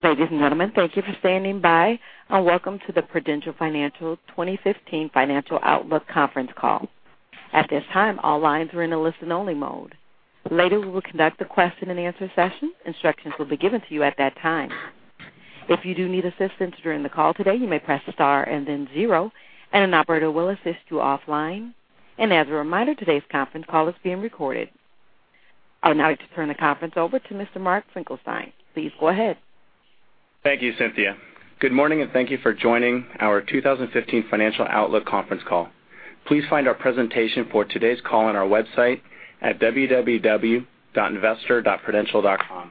Ladies and gentlemen, thank you for standing by. Welcome to the Prudential Financial 2015 Financial Outlook Conference Call. At this time, all lines are in a listen-only mode. Later, we will conduct a question-and-answer session. Instructions will be given to you at that time. If you do need assistance during the call today, you may press star and then zero, and an operator will assist you offline. As a reminder, today's conference call is being recorded. I would now like to turn the conference over to Mr. Mark Finkelstein. Please go ahead. Thank you, Cynthia. Good morning. Thank you for joining our 2015 Financial Outlook Conference Call. Please find our presentation for today's call on our website at www.investor.prudential.com.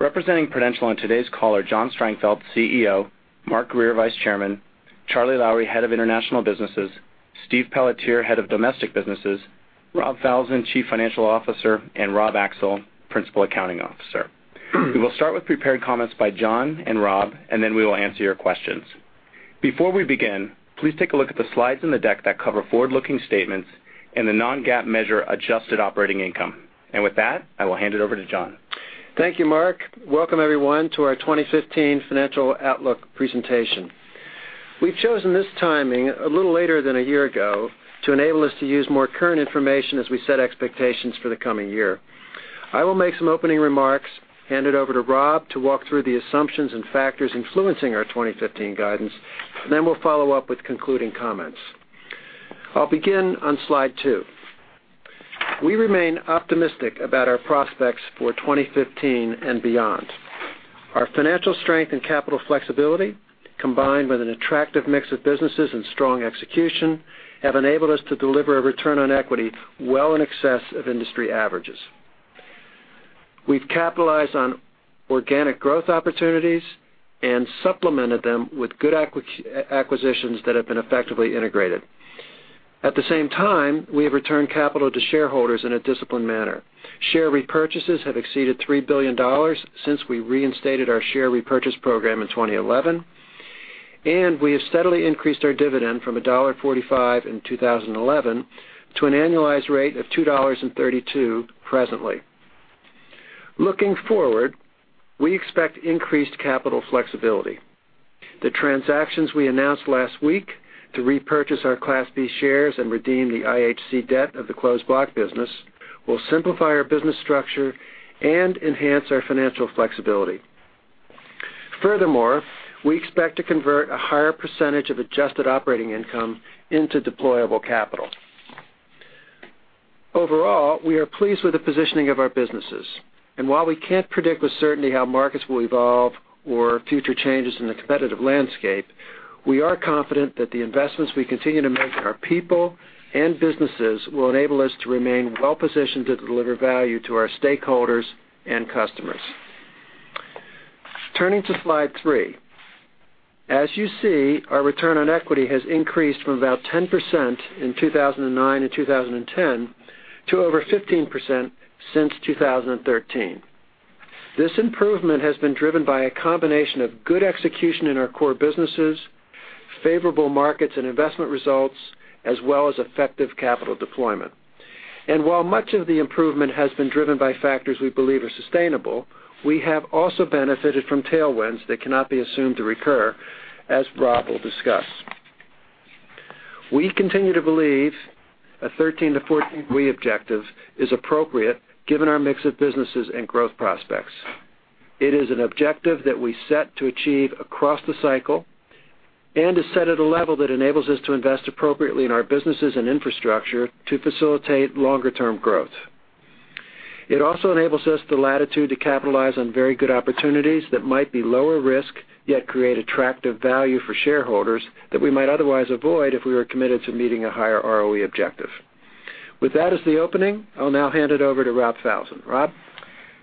Representing Prudential on today's call are John Strangfeld, CEO; Mark Grier, Vice Chairman; Charlie Lowrey, Head of International Businesses; Steve Pelletier, Head of Domestic Businesses; Rob Falzon, Chief Financial Officer; and Rob Axel, Principal Accounting Officer. We will start with prepared comments by John and Rob. Then we will answer your questions. Before we begin, please take a look at the slides in the deck that cover forward-looking statements and the non-GAAP measure adjusted operating income. With that, I will hand it over to John. Thank you, Mark. Welcome, everyone, to our 2015 Financial Outlook presentation. We've chosen this timing a little later than a year ago to enable us to use more current information as we set expectations for the coming year. I will make some opening remarks, hand it over to Rob to walk through the assumptions and factors influencing our 2015 guidance. Then we'll follow up with concluding comments. I'll begin on slide two. We remain optimistic about our prospects for 2015 and beyond. Our financial strength and capital flexibility, combined with an attractive mix of businesses and strong execution, have enabled us to deliver a return on equity well in excess of industry averages. We've capitalized on organic growth opportunities and supplemented them with good acquisitions that have been effectively integrated. At the same time, we have returned capital to shareholders in a disciplined manner. Share repurchases have exceeded $3 billion since we reinstated our share repurchase program in 2011. We have steadily increased our dividend from $1.45 in 2011 to an annualized rate of $2.32 presently. Looking forward, we expect increased capital flexibility. The transactions we announced last week to repurchase our Class B shares and redeem the IHC debt of the Closed Block business will simplify our business structure and enhance our financial flexibility. Furthermore, we expect to convert a higher percentage of adjusted operating income into deployable capital. Overall, we are pleased with the positioning of our businesses. While we can't predict with certainty how markets will evolve or future changes in the competitive landscape, we are confident that the investments we continue to make in our people and businesses will enable us to remain well positioned to deliver value to our stakeholders and customers. Turning to slide three. As you see, our return on equity has increased from about 10% in 2009 and 2010 to over 15% since 2013. This improvement has been driven by a combination of good execution in our core businesses, favorable markets and investment results, as well as effective capital deployment. While much of the improvement has been driven by factors we believe are sustainable, we have also benefited from tailwinds that cannot be assumed to recur, as Rob will discuss. We continue to believe a 13%-14% ROE objective is appropriate given our mix of businesses and growth prospects. It is an objective that we set to achieve across the cycle and is set at a level that enables us to invest appropriately in our businesses and infrastructure to facilitate longer-term growth. It also enables us the latitude to capitalize on very good opportunities that might be lower risk, yet create attractive value for shareholders that we might otherwise avoid if we were committed to meeting a higher ROE objective. With that as the opening, I'll now hand it over to Robert Falzon. Rob?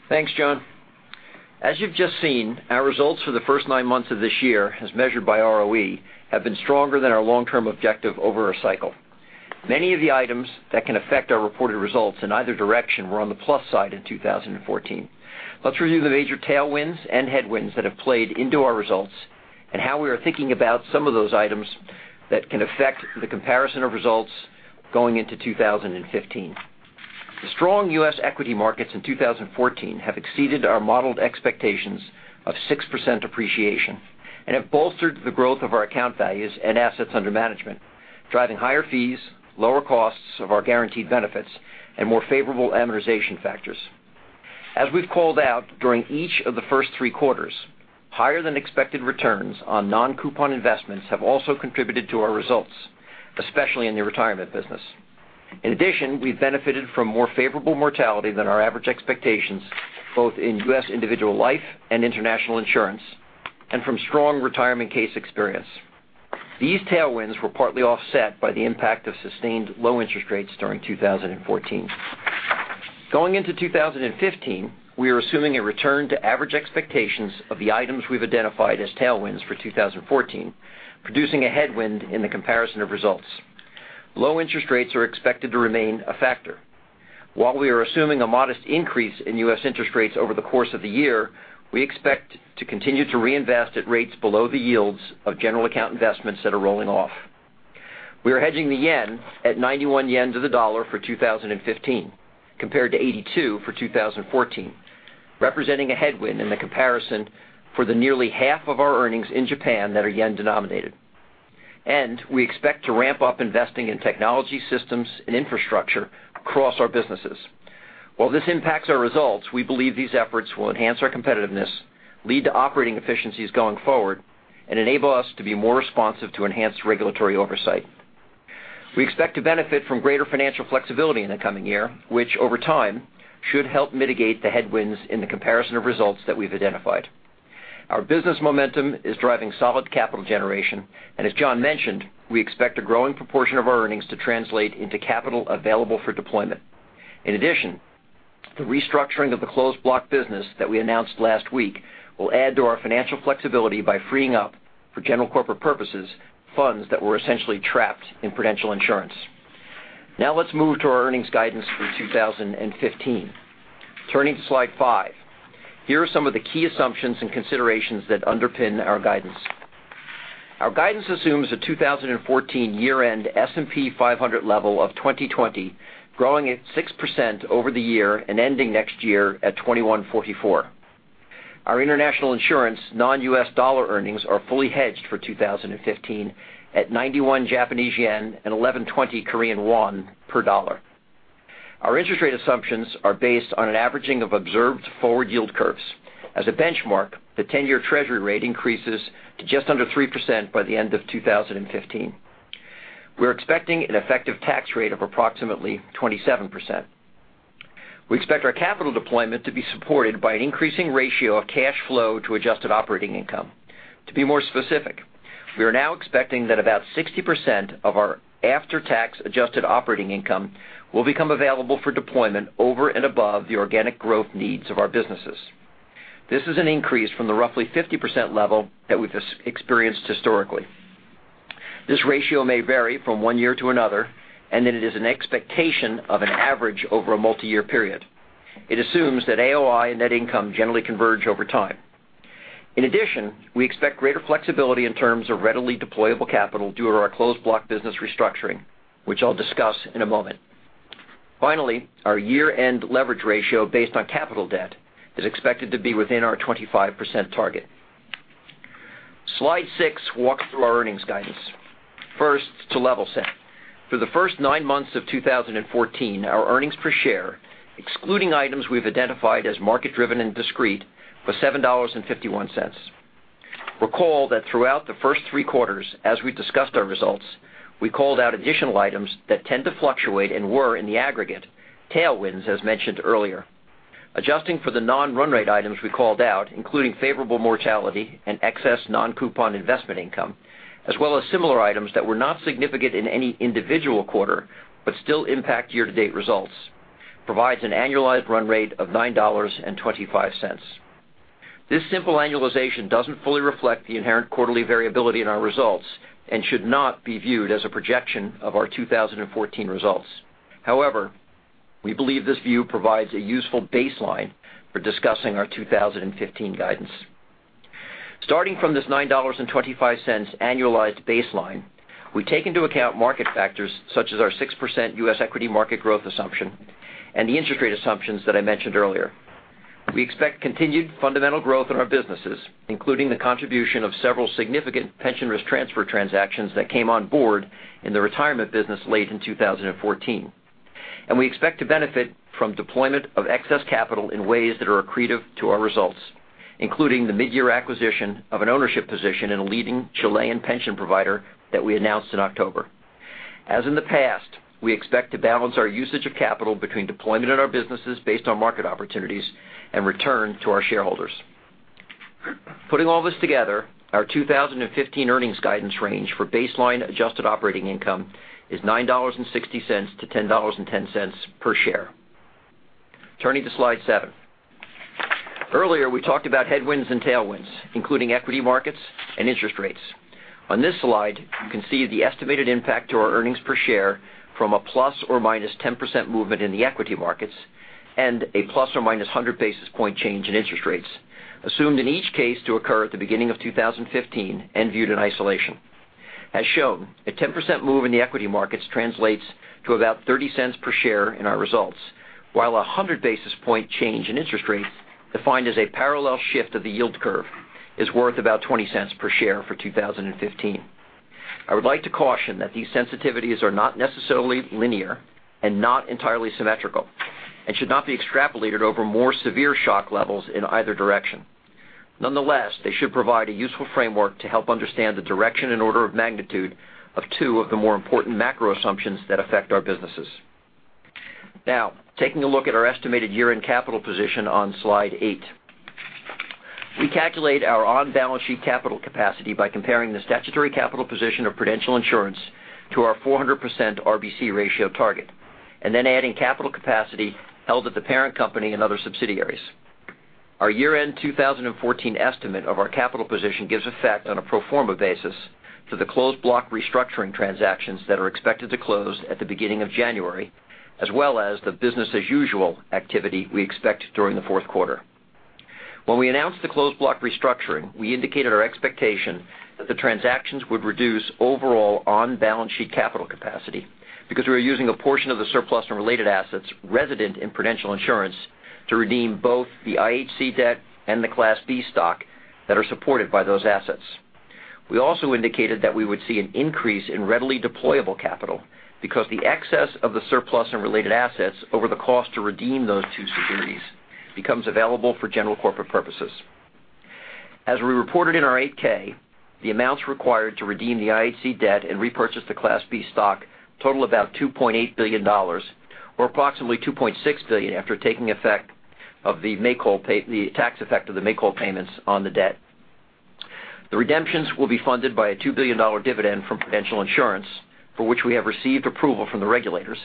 Thanks, John. As you've just seen, our results for the first nine months of this year, as measured by ROE, have been stronger than our long-term objective over a cycle. Many of the items that can affect our reported results in either direction were on the plus side in 2014. Let's review the major tailwinds and headwinds that have played into our results and how we are thinking about some of those items that can affect the comparison of results going into 2015. The strong U.S. equity markets in 2014 have exceeded our modeled expectations of 6% appreciation and have bolstered the growth of our account values and assets under management, driving higher fees, lower costs of our guaranteed benefits, and more favorable amortization factors. As we've called out during each of the first three quarters, higher than expected returns on non-coupon investments have also contributed to our results, especially in the retirement business. In addition, we've benefited from more favorable mortality than our average expectations, both in U.S. individual life and international insurance, and from strong retirement case experience. These tailwinds were partly offset by the impact of sustained low interest rates during 2014. Going into 2015, we are assuming a return to average expectations of the items we've identified as tailwinds for 2014, producing a headwind in the comparison of results. Low interest rates are expected to remain a factor. While we are assuming a modest increase in U.S. interest rates over the course of the year, we expect to continue to reinvest at rates below the yields of general account investments that are rolling off. We are hedging the JPY at 91 yen to the USD for 2015, compared to 82 for 2014, representing a headwind in the comparison for the nearly half of our earnings in Japan that are JPY-denominated. We expect to ramp up investing in technology systems and infrastructure across our businesses. While this impacts our results, we believe these efforts will enhance our competitiveness, lead to operating efficiencies going forward, and enable us to be more responsive to enhanced regulatory oversight. We expect to benefit from greater financial flexibility in the coming year, which over time should help mitigate the headwinds in the comparison of results that we've identified. Our business momentum is driving solid capital generation, and as John mentioned, we expect a growing proportion of our earnings to translate into capital available for deployment. In addition, the restructuring of the Closed Block business that we announced last week will add to our financial flexibility by freeing up, for general corporate purposes, funds that were essentially trapped in Prudential Insurance. Let's move to our earnings guidance for 2015. Turning to slide five. Here are some of the key assumptions and considerations that underpin our guidance. Our guidance assumes a 2014 year-end S&P 500 level of 2,020, growing at 6% over the year and ending next year at 2,144. Our international insurance non-USD earnings are fully hedged for 2015 at 91 Japanese yen and 1,120 Korean won per USD. Our interest rate assumptions are based on an averaging of observed forward yield curves. As a benchmark, the 10-year Treasury rate increases to just under 3% by the end of 2015. We're expecting an effective tax rate of approximately 27%. We expect our capital deployment to be supported by an increasing ratio of cash flow to adjusted operating income. To be more specific, we are now expecting that about 60% of our after-tax adjusted operating income will become available for deployment over and above the organic growth needs of our businesses. This is an increase from the roughly 50% level that we've experienced historically. This ratio may vary from one year to another, and that it is an expectation of an average over a multi-year period. It assumes that AOI and net income generally converge over time. In addition, we expect greater flexibility in terms of readily deployable capital due to our Closed Block business restructuring, which I'll discuss in a moment. Finally, our year-end leverage ratio based on capital debt is expected to be within our 25% target. Slide six walks through our earnings guidance. First, to level set. Through the first nine months of 2014, our earnings per share, excluding items we've identified as market-driven and discrete, was $7.51. Recall that throughout the first three quarters, as we discussed our results, we called out additional items that tend to fluctuate and were, in the aggregate, tailwinds, as mentioned earlier. Adjusting for the non-run rate items we called out, including favorable Mortality and excess non-coupon investment income, as well as similar items that were not significant in any individual quarter but still impact year-to-date results, provides an annualized run rate of $9.25. This simple annualization doesn't fully reflect the inherent quarterly variability in our results and should not be viewed as a projection of our 2014 results. However, we believe this view provides a useful baseline for discussing our 2015 guidance. Starting from this $9.25 annualized baseline, we take into account market factors such as our 6% U.S. equity market growth assumption and the interest rate assumptions that I mentioned earlier. We expect continued fundamental growth in our businesses, including the contribution of several significant pension risk transfer transactions that came on board in the retirement business late in 2014. We expect to benefit from deployment of excess capital in ways that are accretive to our results, including the mid-year acquisition of an ownership position in a leading Chilean pension provider that we announced in October. As in the past, we expect to balance our usage of capital between deployment in our businesses based on market opportunities and return to our shareholders. Putting all this together, our 2015 earnings guidance range for baseline adjusted operating income is $9.60 to $10.10 per share. Turning to slide seven. Earlier, we talked about headwinds and tailwinds, including equity markets and interest rates. On this slide, you can see the estimated impact to our earnings per share from a plus or minus 10% movement in the equity markets and a plus or minus 100 basis point change in interest rates, assumed in each case to occur at the beginning of 2015 and viewed in isolation. As shown, a 10% move in the equity markets translates to about $0.30 per share in our results, while 100 basis point change in interest rates, defined as a parallel shift of the yield curve, is worth about $0.20 per share for 2015. I would like to caution that these sensitivities are not necessarily linear and not entirely symmetrical and should not be extrapolated over more severe shock levels in either direction. Nonetheless, they should provide a useful framework to help understand the direction and order of magnitude of two of the more important macro assumptions that affect our businesses. Now, taking a look at our estimated year-end capital position on slide eight. We calculate our on-balance sheet capital capacity by comparing the statutory capital position of Prudential Insurance to our 400% RBC ratio target, and then adding capital capacity held at the parent company and other subsidiaries. Our year-end 2014 estimate of our capital position gives effect on a pro forma basis to the Closed Block restructuring transactions that are expected to close at the beginning of January, as well as the business-as-usual activity we expect during the fourth quarter. When we announced the Closed Block restructuring, we indicated our expectation that the transactions would reduce overall on-balance sheet capital capacity because we were using a portion of the surplus and related assets resident in Prudential Insurance to redeem both the IHC debt and the Class B stock that are supported by those assets. We also indicated that we would see an increase in readily deployable capital because the excess of the surplus and related assets over the cost to redeem those two securities becomes available for general corporate purposes. As we reported in our 8-K, the amounts required to redeem the IHC debt and repurchase the Class B stock total about $2.8 billion, or approximately $2.6 billion after taking effect of the tax effect of the make-whole payments on the debt. The redemptions will be funded by a $2 billion dividend from Prudential Insurance, for which we have received approval from the regulators,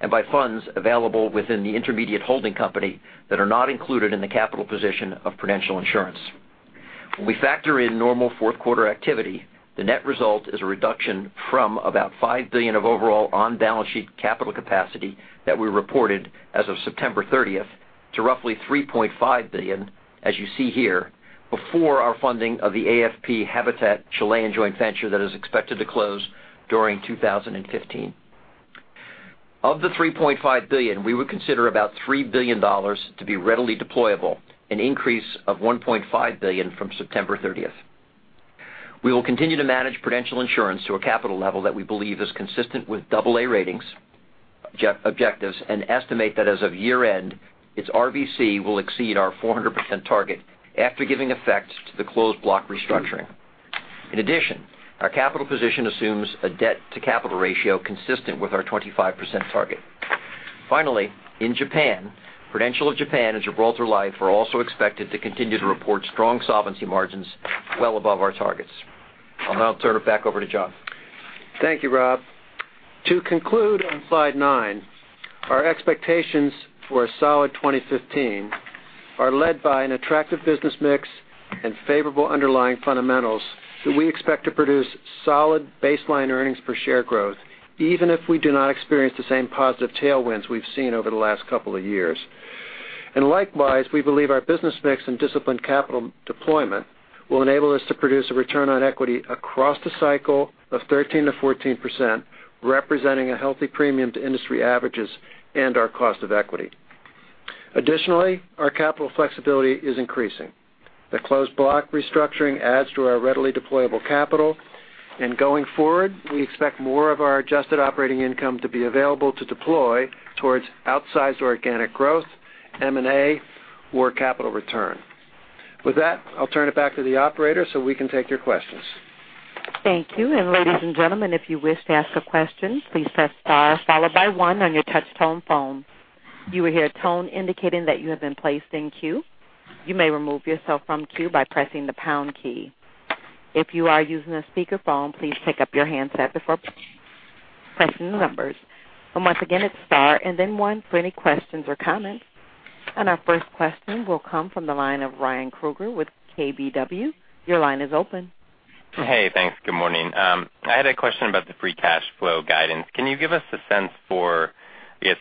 and by funds available within the intermediate holding company that are not included in the capital position of Prudential Insurance. When we factor in normal fourth quarter activity, the net result is a reduction from about $5 billion of overall on-balance sheet capital capacity that we reported as of September 30th to roughly $3.5 billion, as you see here, before our funding of the AFP Habitat Chilean joint venture that is expected to close during 2015. Of the $3.5 billion, we would consider about $3 billion to be readily deployable, an increase of $1.5 billion from September 30th. We will continue to manage Prudential Insurance to a capital level that we believe is consistent with double A ratings objectives and estimate that as of year-end, its RBC will exceed our 400% target after giving effect to the Closed Block restructuring. In addition, our capital position assumes a debt-to-capital ratio consistent with our 25% target. Finally, in Japan, Prudential of Japan and Gibraltar Life are also expected to continue to report strong solvency margins well above our targets. I'll now turn it back over to John. Thank you, Rob. To conclude on slide nine, our expectations for a solid 2015 are led by an attractive business mix and favorable underlying fundamentals that we expect to produce solid baseline earnings per share growth, even if we do not experience the same positive tailwinds we've seen over the last couple of years. Likewise, we believe our business mix and disciplined capital deployment will enable us to produce a return on equity across the cycle of 13%-14%, representing a healthy premium to industry averages and our cost of equity. Additionally, our capital flexibility is increasing. The Closed Block restructuring adds to our readily deployable capital, going forward, we expect more of our adjusted operating income to be available to deploy towards outsized organic growth, M&A, or capital return. With that, I'll turn it back to the operator so we can take your questions. Thank you. Ladies and gentlemen, if you wish to ask a question, please press star followed by one on your touch-tone phone. You will hear a tone indicating that you have been placed in queue. You may remove yourself from queue by pressing the pound key. If you are using a speakerphone, please pick up your handset before pressing the numbers. Once again, it's star and then one for any questions or comments. Our first question will come from the line of Ryan Krueger with KBW. Your line is open. Hey, thanks. Good morning. I had a question about the free cash flow guidance. Can you give us a sense for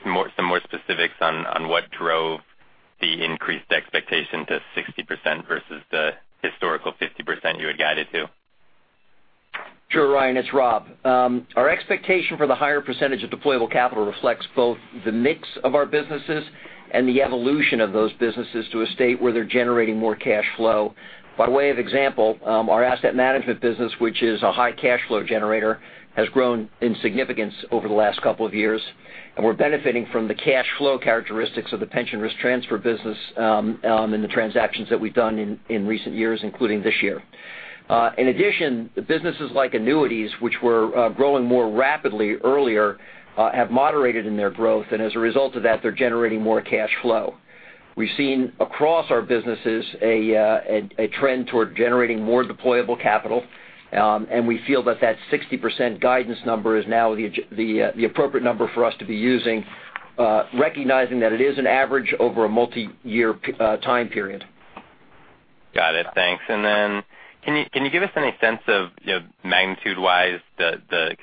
some more specifics on what drove the increased expectation to 60% versus the historical 50% you had guided to? Sure, Ryan, it's Rob. Our expectation for the higher percentage of deployable capital reflects both the mix of our businesses and the evolution of those businesses to a state where they're generating more cash flow. By way of example, our asset management business, which is a high cash flow generator, has grown in significance over the last couple of years, and we're benefiting from the cash flow characteristics of the pension risk transfer business in the transactions that we've done in recent years, including this year. In addition, the businesses like annuities, which were growing more rapidly earlier, have moderated in their growth. As a result of that, they're generating more cash flow. We've seen across our businesses a trend toward generating more deployable capital, and we feel that that 60% guidance number is now the appropriate number for us to be using, recognizing that it is an average over a multiyear time period. Got it. Thanks. Can you give us any sense of magnitude-wise the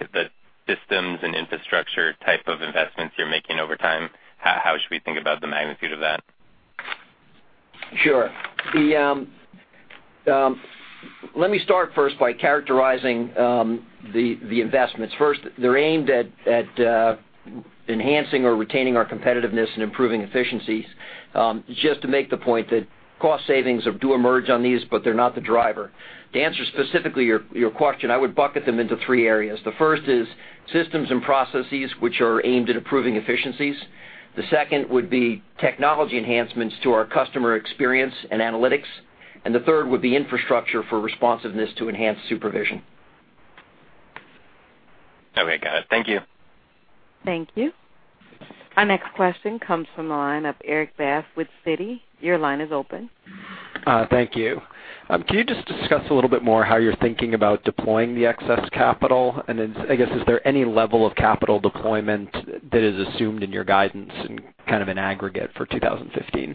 systems and infrastructure type of investments you're making over time? How should we think about the magnitude of that? Sure. Let me start first by characterizing the investments. First, they're aimed at enhancing or retaining our competitiveness and improving efficiencies. Just to make the point that cost savings do emerge on these, but they're not the driver. To answer specifically your question, I would bucket them into three areas. The first is systems and processes which are aimed at improving efficiencies. The second would be technology enhancements to our customer experience and analytics. The third would be infrastructure for responsiveness to enhance supervision. Okay, got it. Thank you. Thank you. Our next question comes from the line of Erik Bass with Citigroup. Your line is open. Thank you. Can you just discuss a little bit more how you're thinking about deploying the excess capital? I guess, is there any level of capital deployment that is assumed in your guidance in kind of an aggregate for 2015?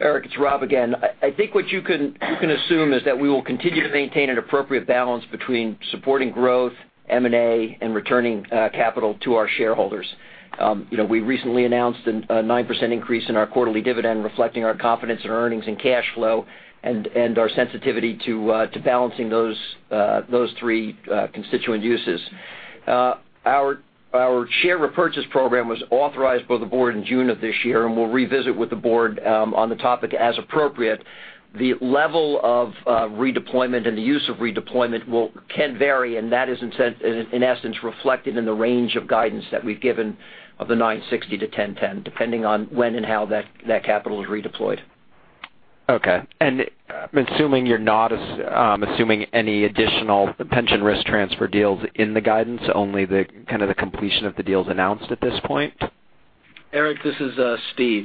Erik, it's Rob again. I think what you can assume is that we will continue to maintain an appropriate balance between supporting growth, M&A, and returning capital to our shareholders. We recently announced a 9% increase in our quarterly dividend, reflecting our confidence in earnings and cash flow and our sensitivity to balancing those three constituent uses. Our share repurchase program was authorized by the board in June of this year, and we'll revisit with the board on the topic as appropriate. The level of redeployment and the use of redeployment can vary, and that is, in essence, reflected in the range of guidance that we've given of the $960-$1,010, depending on when and how that capital is redeployed. Okay. I'm assuming you're not assuming any additional pension risk transfer deals in the guidance, only the completion of the deals announced at this point. Erik, this is Steve.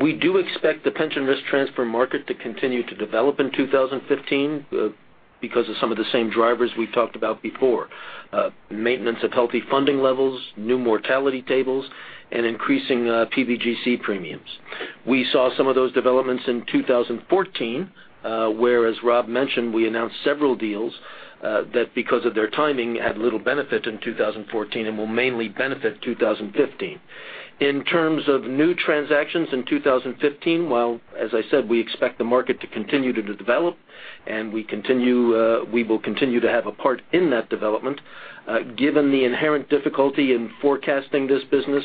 We do expect the pension risk transfer market to continue to develop in 2015 because of some of the same drivers we've talked about before. Maintenance of healthy funding levels, new mortality tables, and increasing PBGC premiums. We saw some of those developments in 2014, where, as Rob mentioned, we announced several deals that, because of their timing, had little benefit in 2014 and will mainly benefit 2015. In terms of new transactions in 2015, while, as I said, we expect the market to continue to develop, we will continue to have a part in that development. Given the inherent difficulty in forecasting this business,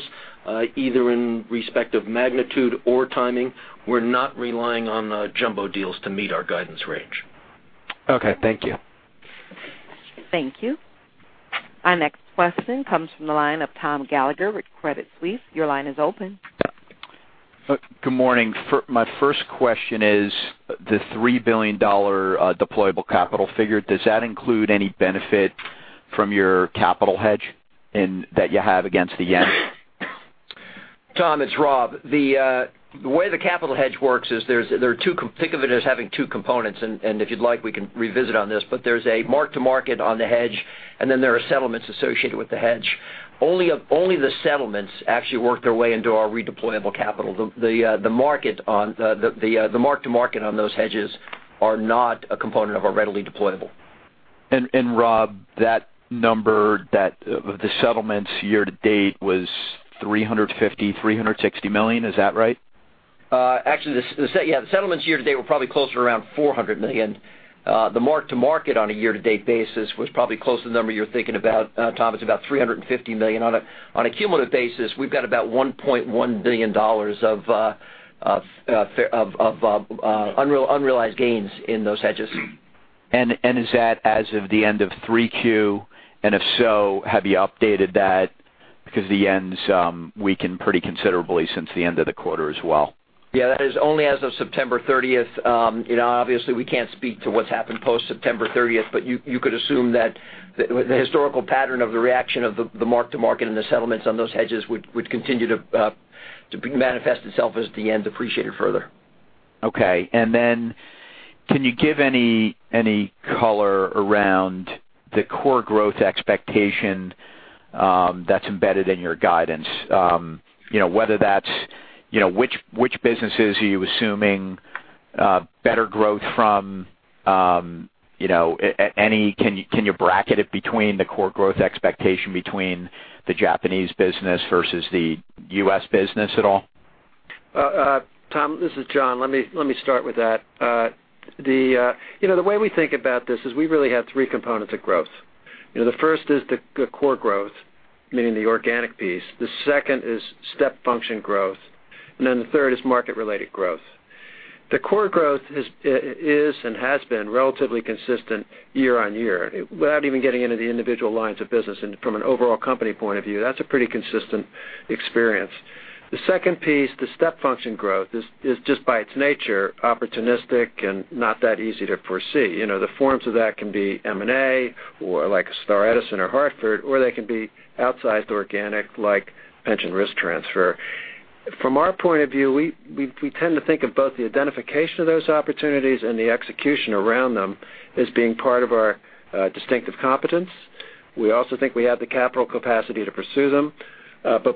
either in respect of magnitude or timing, we're not relying on jumbo deals to meet our guidance range. Okay, thank you. Thank you. Our next question comes from the line of Thomas Gallagher with Credit Suisse. Your line is open. Good morning. My first question is the $3 billion deployable capital figure, does that include any benefit from your capital hedge that you have against the yen? Tom, it's Rob. The way the capital hedge works is think of it as having two components, and if you'd like, we can revisit on this. There's a mark-to-market on the hedge, and then there are settlements associated with the hedge. Only the settlements actually work their way into our redeployable capital. The mark-to-market on those hedges are not a component of our readily deployable. Rob, that number, the settlements year to date was $350 million, $360 million. Is that right? Actually, the settlements year to date were probably closer to around $400 million. The mark-to-market on a year-to-date basis was probably close to the number you're thinking about, Tom. It's about $350 million. On a cumulative basis, we've got about $1.1 billion of unrealized gains in those hedges. Is that as of the end of 3Q? If so, have you updated that because the yen's weakened pretty considerably since the end of the quarter as well? That is only as of September 30th. Obviously, we can't speak to what's happened post September 30th, but you could assume that the historical pattern of the reaction of the mark-to-market and the settlements on those hedges would continue to manifest itself as the yen depreciated further. Okay. Then can you give any color around the core growth expectation that's embedded in your guidance? Which businesses are you assuming better growth from? Can you bracket it between the core growth expectation between the Japanese business versus the U.S. business at all? Tom, this is John. Let me start with that. The way we think about this is we really have three components of growth. The first is the core growth, meaning the organic piece. The second is step function growth. The third is market-related growth. The core growth is and has been relatively consistent year-over-year without even getting into the individual lines of business. From an overall company point of view, that's a pretty consistent experience. The second piece, the step function growth, is just by its nature, opportunistic and not that easy to foresee. The forms of that can be M&A or like a Star/Edison or Hartford, or they can be outsized organic like pension risk transfer. From our point of view, we tend to think of both the identification of those opportunities and the execution around them as being part of our distinctive competence. We also think we have the capital capacity to pursue them.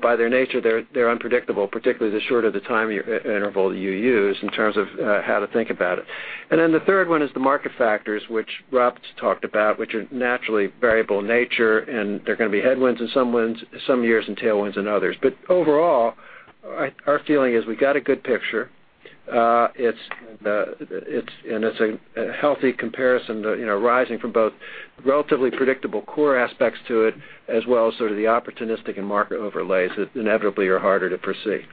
By their nature, they're unpredictable, particularly the shorter the time interval you use in terms of how to think about it. The third one is the market factors, which Rob's talked about, which are naturally variable in nature, they're going to be headwinds in some years and tailwinds in others. Overall, our feeling is we've got a good picture. It's a healthy comparison, rising from both relatively predictable core aspects to it as well as sort of the opportunistic and market overlays that inevitably are harder to foresee.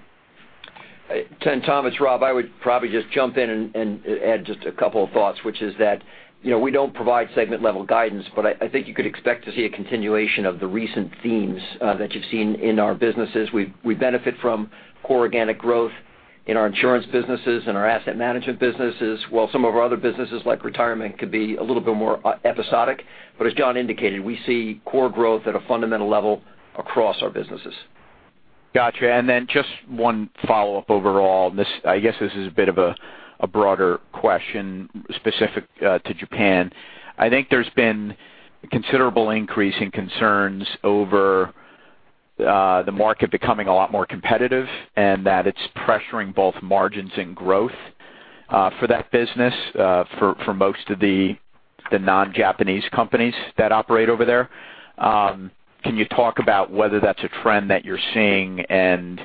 Tom, it's Rob. I would probably just jump in and add just a couple of thoughts, which is that we don't provide segment-level guidance, I think you could expect to see a continuation of the recent themes that you've seen in our businesses. We benefit from core organic growth in our insurance businesses and our asset management businesses, while some of our other businesses, like retirement, could be a little bit more episodic. As John indicated, we see core growth at a fundamental level across our businesses. Got you. Just one follow-up overall. I guess this is a bit of a broader question specific to Japan. I think there's been a considerable increase in concerns over The market becoming a lot more competitive and that it's pressuring both margins and growth for that business for most of the non-Japanese companies that operate over there. Can you talk about whether that's a trend that you're seeing and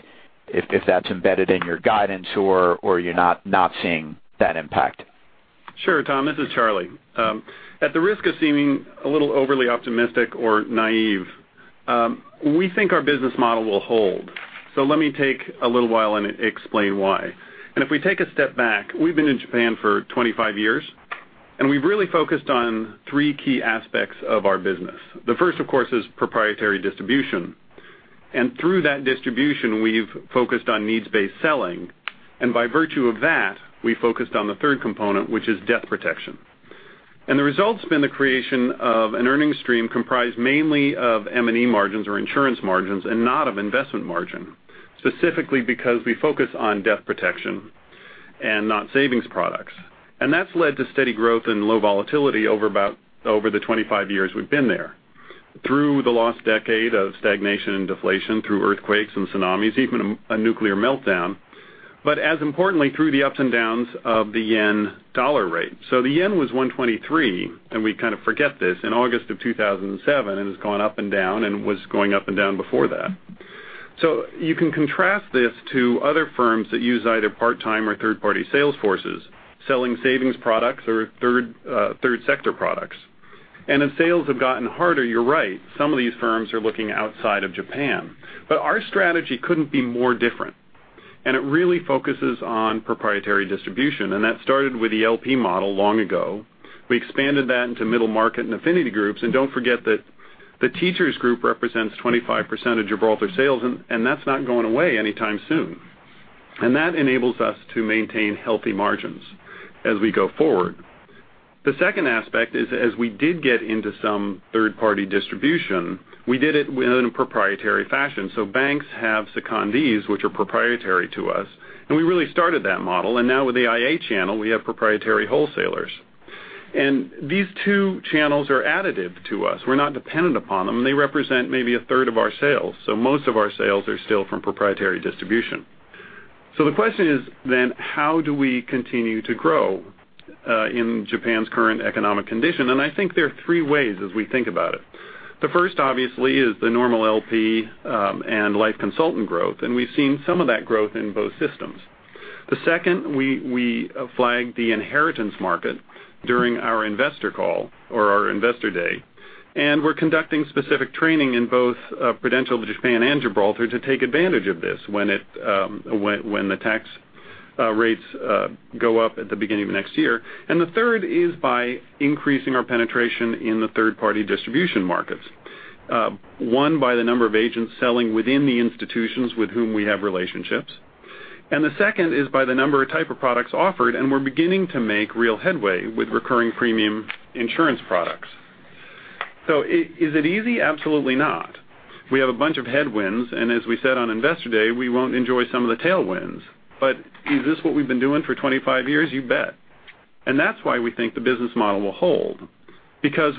if that's embedded in your guidance or are you not seeing that impact? Sure, Tom, this is Charlie. At the risk of seeming a little overly optimistic or naive, we think our business model will hold. Let me take a little while and explain why. If we take a step back, we've been in Japan for 25 years, and we've really focused on three key aspects of our business. The first, of course, is proprietary distribution. Through that distribution, we've focused on needs-based selling. By virtue of that, we focused on the third component, which is death protection. The result's been the creation of an earnings stream comprised mainly of M&E margins or insurance margins, and not of investment margin, specifically because we focus on death protection and not savings products. That's led to steady growth and low volatility over the 25 years we've been there, through the lost decade of stagnation and deflation, through earthquakes and tsunamis, even a nuclear meltdown. As importantly, through the ups and downs of the yen-dollar rate. The yen was 123, and we kind of forget this, in August of 2007, and it's gone up and down, and was going up and down before that. You can contrast this to other firms that use either part-time or third-party sales forces selling savings products or third sector products. As sales have gotten harder, you're right, some of these firms are looking outside of Japan. Our strategy couldn't be more different, and it really focuses on proprietary distribution. That started with the LP model long ago. We expanded that into middle market and affinity groups. Don't forget that the teachers group represents 25% of Gibraltar sales, and that's not going away anytime soon. That enables us to maintain healthy margins as we go forward. The second aspect is as we did get into some third-party distribution, we did it in a proprietary fashion. Banks have secondees, which are proprietary to us, and we really started that model. Now with the IA channel, we have proprietary wholesalers. These two channels are additive to us. We're not dependent upon them. They represent maybe a third of our sales. Most of our sales are still from proprietary distribution. The question is then how do we continue to grow in Japan's current economic condition? I think there are three ways as we think about it. The first, obviously, is the normal LP and life consultant growth, and we've seen some of that growth in both systems. The second, we flagged the inheritance market during our investor call or our Investor Day, and we're conducting specific training in both Prudential, Japan, and Gibraltar to take advantage of this when the tax rates go up at the beginning of next year. The third is by increasing our penetration in the third-party distribution markets. One, by the number of agents selling within the institutions with whom we have relationships, the second is by the number of type of products offered, and we're beginning to make real headway with recurring premium insurance products. Is it easy? Absolutely not. We have a bunch of headwinds, and as we said on Investor Day, we won't enjoy some of the tailwinds. Is this what we've been doing for 25 years? You bet. That's why we think the business model will hold.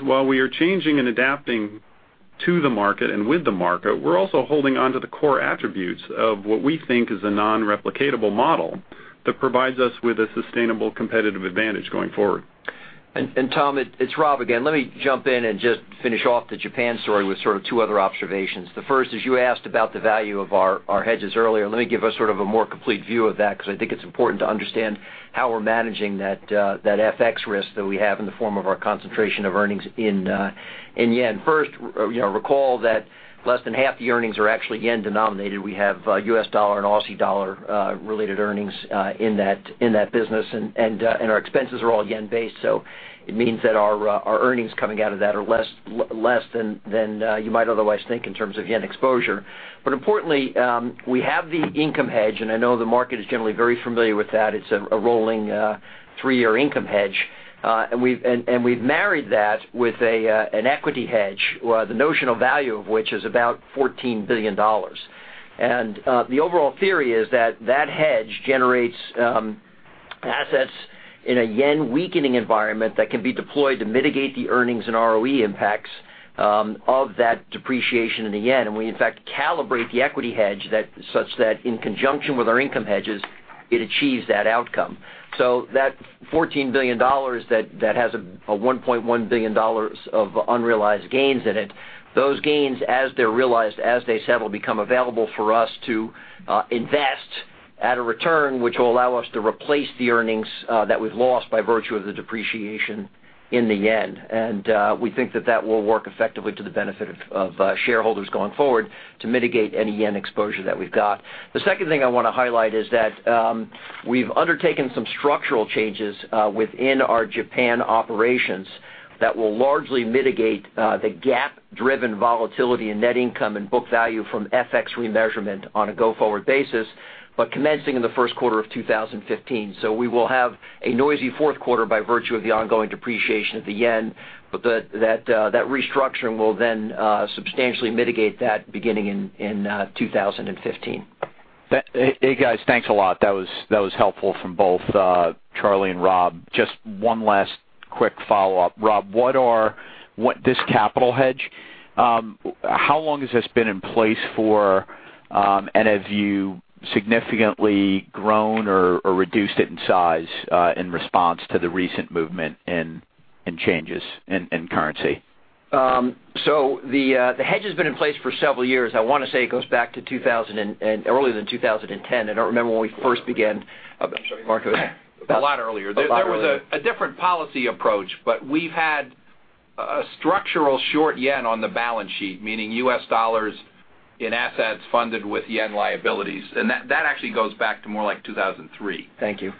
While we are changing and adapting to the market and with the market, we're also holding onto the core attributes of what we think is a non-replicatable model that provides us with a sustainable competitive advantage going forward. Tom, it's Rob again. Let me jump in and just finish off the Japan story with sort of two other observations. The first is you asked about the value of our hedges earlier. Let me give us sort of a more complete view of that because I think it's important to understand how we're managing that FX risk that we have in the form of our concentration of earnings in JPY. Recall that less than half the earnings are actually JPY denominated. We have US dollar and AUD related earnings in that business. Our expenses are all JPY based, so it means that our earnings coming out of that are less than you might otherwise think in terms of JPY exposure. Importantly, we have the income hedge, and I know the market is generally very familiar with that. It's a rolling three-year income hedge. We've married that with an equity hedge where the notional value of which is about $14 billion. The overall theory is that hedge generates assets in a JPY weakening environment that can be deployed to mitigate the earnings and ROE impacts of that depreciation in the JPY. We, in fact, calibrate the equity hedge such that in conjunction with our income hedges, it achieves that outcome. That $14 billion that has a $1.1 billion of unrealized gains in it, those gains as they're realized, as they settle, become available for us to invest at a return which will allow us to replace the earnings that we've lost by virtue of the depreciation in the JPY. We think that that will work effectively to the benefit of shareholders going forward to mitigate any JPY exposure that we've got. The second thing I want to highlight is that we've undertaken some structural changes within our Japan operations that will largely mitigate the GAAP driven volatility in net income and book value from FX remeasurement on a go-forward basis, but commencing in the first quarter of 2015. We will have a noisy fourth quarter by virtue of the ongoing depreciation of the yen, but that restructuring will then substantially mitigate that beginning in 2015. Hey guys, thanks a lot. That was helpful from both Charlie and Rob. Just one last quick follow-up. Rob, this capital hedge, how long has this been in place for? Have you significantly grown or reduced it in size in response to the recent movement and changes in currency? The hedge has been in place for several years. I want to say it goes back to earlier than 2010. I don't remember when we first began. I'm sorry, Mark. A lot earlier. A lot earlier. There was a different policy approach, we've had a structural short yen on the balance sheet, meaning U.S. dollars in assets funded with yen liabilities. That actually goes back to more like 2003. Thank you.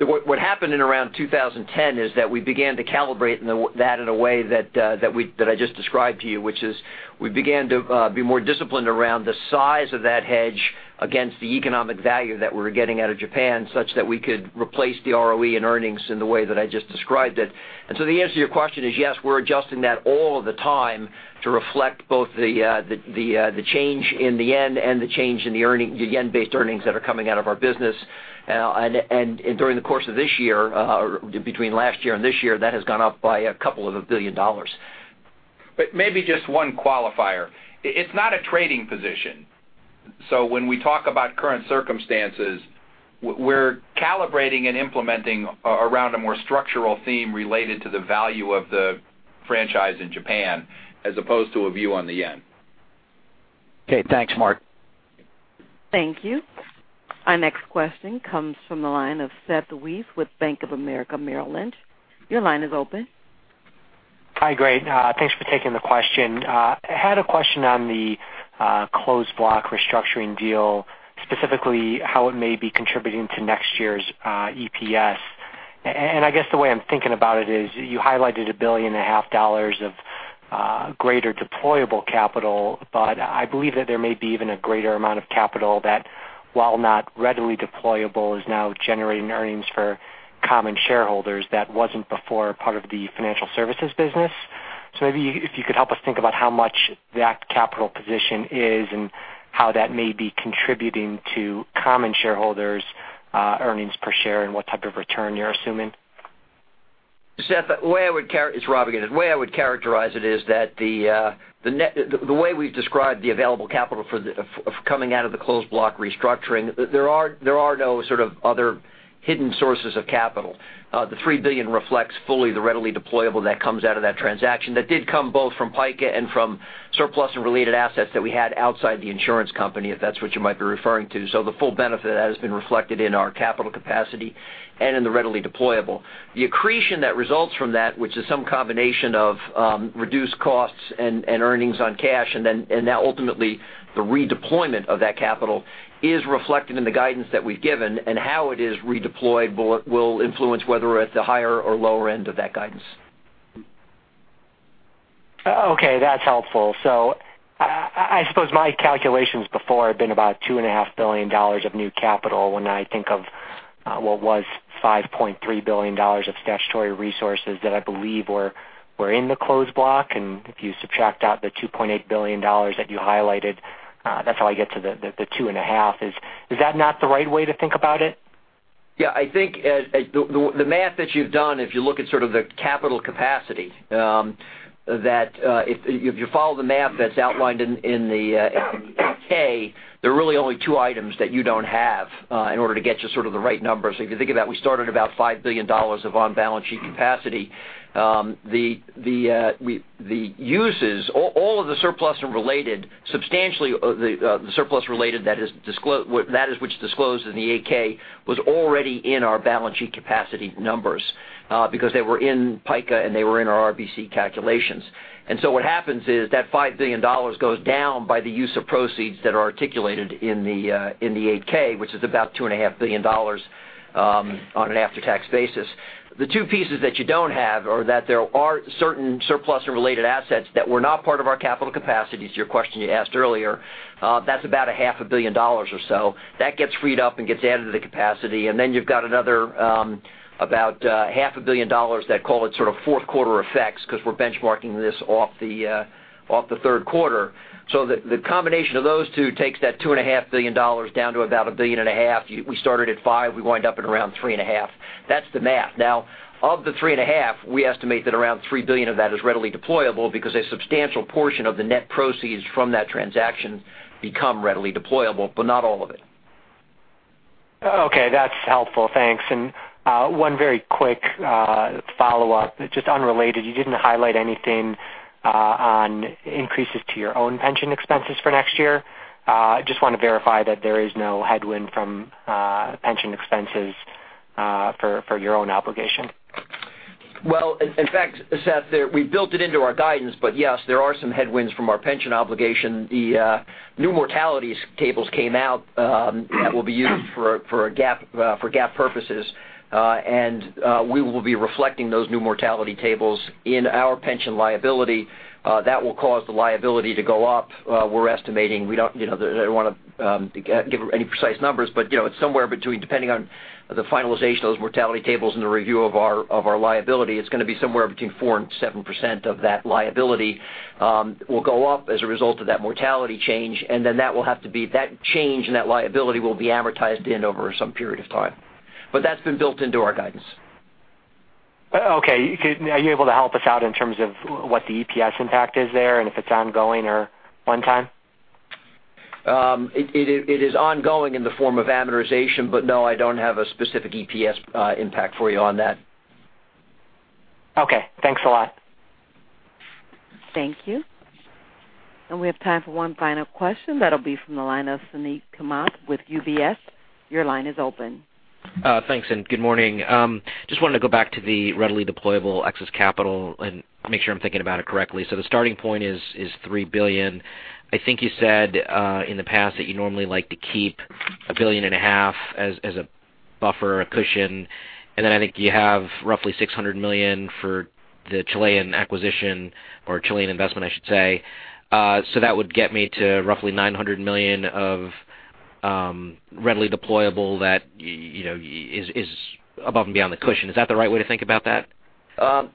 What happened in around 2010 is that we began to calibrate that in a way that I just described to you, which is we began to be more disciplined around the size of that hedge against the economic value that we were getting out of Japan, such that we could replace the ROE in earnings in the way that I just described it. The answer to your question is, yes, we're adjusting that all the time to reflect both the change in the yen and the change in the yen-based earnings that are coming out of our business. During the course of this year, between last year and this year, that has gone up by a couple of billion dollars. Maybe just one qualifier. It's not a trading position. When we talk about current circumstances, we're calibrating and implementing around a more structural theme related to the value of the franchise in Japan as opposed to a view on the yen. Okay, thanks, Mark. Thank you. Our next question comes from the line of Seth Weiss with Bank of America Merrill Lynch. Your line is open. Hi, great. Thanks for taking the question. I had a question on the Closed Block restructuring deal, specifically how it may be contributing to next year's EPS. I guess the way I'm thinking about it is you highlighted a billion and a half dollars of greater deployable capital, but I believe that there may be even a greater amount of capital that, while not readily deployable, is now generating earnings for common shareholders that wasn't before part of the financial services business. Maybe if you could help us think about how much that capital position is and how that may be contributing to common shareholders earnings per share and what type of return you're assuming. Seth, it's Rob again. The way I would characterize it is that the way we've described the available capital coming out of the Closed Block restructuring, there are no sort of other hidden sources of capital. The $3 billion reflects fully the readily deployable that comes out of that transaction that did come both from PICA and from surplus and related assets that we had outside the insurance company, if that's what you might be referring to. The full benefit of that has been reflected in our capital capacity and in the readily deployable. The accretion that results from that, which is some combination of reduced costs and earnings on cash, and then ultimately the redeployment of that capital is reflected in the guidance that we've given and how it is redeployed will influence whether it's the higher or lower end of that guidance. Okay, that's helpful. I suppose my calculations before have been about $2.5 billion of new capital when I think of what was $5.3 billion of statutory resources that I believe were in the Closed Block. If you subtract out the $2.8 billion that you highlighted, that's how I get to the $2.5 billion. Is that not the right way to think about it? Yeah, I think the math that you've done, if you look at sort of the capital capacity, that if you follow the math that's outlined in the 8-K, there are really only two items that you don't have in order to get to sort of the right number. If you think about it, we started about $5 billion of on-balance sheet capacity. The uses, all of the surplus and related, substantially the surplus related that is which disclosed in the 8-K was already in our balance sheet capacity numbers because they were in PICA and they were in our RBC calculations. What happens is that $5 billion goes down by the use of proceeds that are articulated in the 8-K, which is about $2.5 billion on an after-tax basis. The two pieces that you don't have are that there are certain surplus and related assets that were not part of our capital capacity, to your question you asked earlier. That's about $0.5 billion or so. That gets freed up and gets added to the capacity. You've got another about $0.5 billion that call it sort of fourth quarter effects because we're benchmarking this off the third quarter. The combination of those two takes that $2.5 billion down to about $1.5 billion. We started at 5, we wind up at around 3.5. That's the math. Now, of the 3.5, we estimate that around $3 billion of that is readily deployable because a substantial portion of the net proceeds from that transaction become readily deployable, but not all of it. Okay, that's helpful. Thanks. One very quick follow-up, just unrelated. You didn't highlight anything on increases to your own pension expenses for next year. Just want to verify that there is no headwind from pension expenses for your own obligation. In fact, Seth, we built it into our guidance. Yes, there are some headwinds from our pension obligation. The new mortality tables came out that will be used for GAAP purposes. We will be reflecting those new mortality tables in our pension liability. That will cause the liability to go up. We're estimating, I don't want to give any precise numbers, but it's somewhere between, depending on the finalization of those mortality tables and the review of our liability, it's going to be somewhere between 4% and 7% of that liability will go up as a result of that mortality change. That change in that liability will be amortized in over some period of time. That's been built into our guidance. Okay. Are you able to help us out in terms of what the EPS impact is there, and if it's ongoing or one-time? It is ongoing in the form of amortization. No, I don't have a specific EPS impact for you on that. Okay. Thanks a lot. Thank you. We have time for one final question. That'll be from the line of Suneet Kamath with UBS. Your line is open. Thanks, good morning. Just wanted to go back to the readily deployable excess capital and make sure I'm thinking about it correctly. The starting point is $3 billion. I think you said in the past that you normally like to keep a billion and a half as a buffer or a cushion. I think you have roughly $600 million for the Chilean acquisition or Chilean investment, I should say. That would get me to roughly $900 million of readily deployable that is above and beyond the cushion. Is that the right way to think about that? Suneet,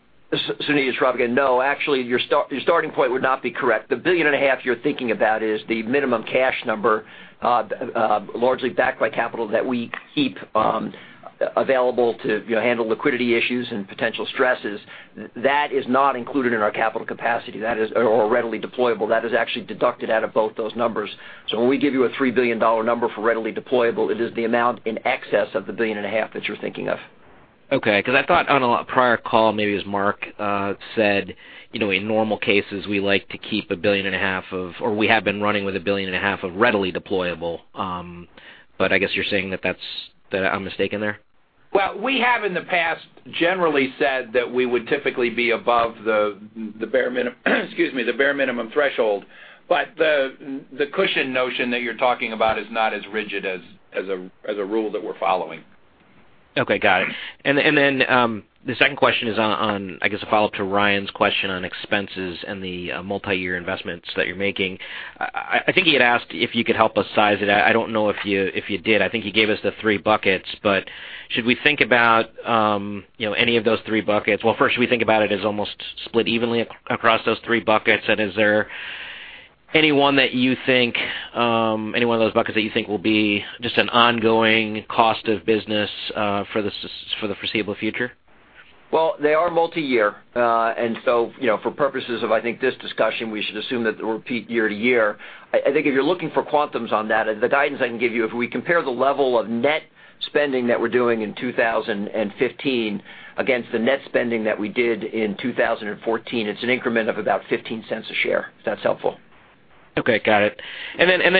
it's Rob again. No, actually, your starting point would not be correct. The billion and a half you're thinking about is the minimum cash number largely backed by capital that we keep available to handle liquidity issues and potential stresses. That is not included in our capital capacity or readily deployable. That is actually deducted out of both those numbers. So when we give you a $3 billion number for readily deployable, it is the amount in excess of the billion and a half that you're thinking of. Okay, because I thought on a prior call, maybe as Mark said, in normal cases, we like to keep a billion and a half of, or we have been running with a billion and a half of readily deployable. I guess you're saying that I'm mistaken there? Well, we have in the past generally said that we would typically be above the bare minimum threshold, but the cushion notion that you're talking about is not as rigid as a rule that we're following. Okay, got it. The second question is on, I guess, a follow-up to Ryan's question on expenses and the multi-year investments that you're making. I think he had asked if you could help us size it up. I don't know if you did. I think you gave us the three buckets, but should we think about any of those three buckets? Well, first should we think about it as almost split evenly across those three buckets? Is there any one of those buckets that you think will be just an ongoing cost of business for the foreseeable future? Well, they are multi-year. For purposes of I think this discussion, we should assume that they'll repeat year to year. I think if you're looking for quantums on that, the guidance I can give you, if we compare the level of net spending that we're doing in 2015 against the net spending that we did in 2014, it's an increment of about $0.15 a share, if that's helpful. Okay, got it.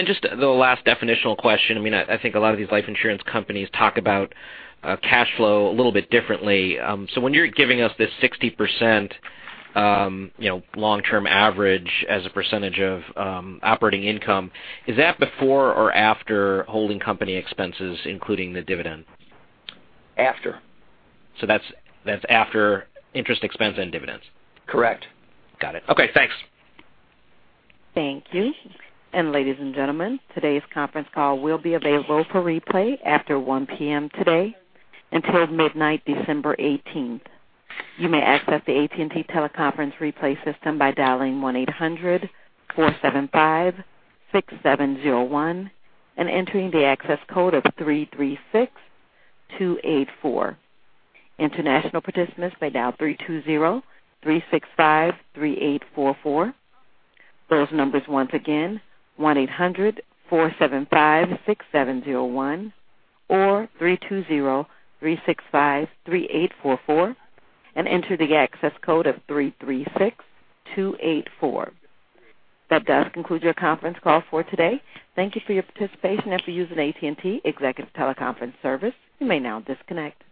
Just the last definitional question. I think a lot of these life insurance companies talk about cash flow a little bit differently. So when you're giving us this 60% long-term average as a percentage of operating income, is that before or after holding company expenses, including the dividend? After. That's after interest expense and dividends? Correct. Got it. Okay, thanks. Thank you. Ladies and gentlemen, today's conference call will be available for replay after 1:00 P.M. today until midnight December 18th. You may access the AT&T teleconference replay system by dialing 1-800-475-6701 and entering the access code of 336284. International participants may dial 3203653844. Those numbers once again, 1-800-475-6701 or 3203653844, and enter the access code of 336284. That does conclude your conference call for today. Thank you for your participation and for using AT&T Executive Teleconference Service. You may now disconnect.